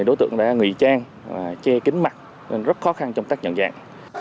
đối tượng đã ngụy trang và che kín mặt nên rất khó khăn trong tác nhận dạng